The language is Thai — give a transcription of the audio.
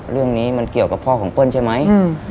เรื่องนี้มันเกี่ยวกับพ่อของเปิ้ลใช่ไหม